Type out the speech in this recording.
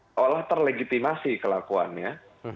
seolah terlegitimasi kelakuannya